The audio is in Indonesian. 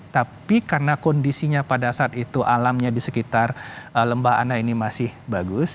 tapi karena kondisinya pada saat itu alamnya di sekitar lembah ana ini masih bagus